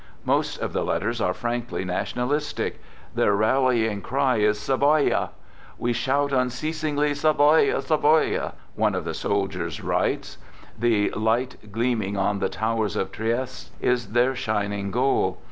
Most of the letters are frankly nationalistic. Their rallying cry is " Savoia! "" We shout unceasingly 4 Savoia! Savoia!'" one of the soldiers writes. The light gleaming on the towers of Trieste is their shining goal.